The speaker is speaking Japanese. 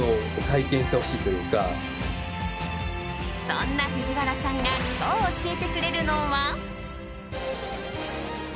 そんな藤原さんが今日、教えてくれるのは。